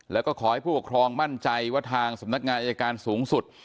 แล้วก็ขอให้ผู้ปกครองมั่นใจว่าทางสำนักงานอายการสูงสุด